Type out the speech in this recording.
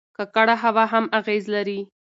ککړه هوا هم اغېز لري.